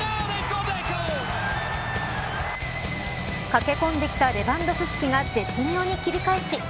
駆け込んできたレヴァンドフスキが絶妙に切り返し